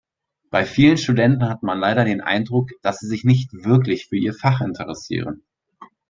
Bei vielen Studenten hat man leider den Eindruck, dass sie sich nicht wirklich für ihr Fach interessieren.